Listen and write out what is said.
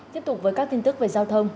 tiếp tục với các tin tức về giao thông